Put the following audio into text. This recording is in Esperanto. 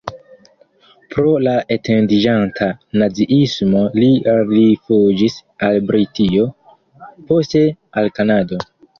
Pro la etendiĝanta naziismo li rifuĝis al Britio, poste al Kanado.